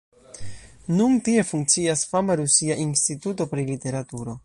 Nun tie funkcias fama rusia Instituto pri literaturo.